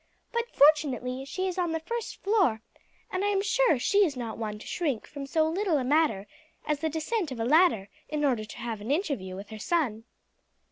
But fortunately she is on the first floor, and I am sure she is not one to shrink from so little a matter as the descent of a ladder in order to have an interview with her son."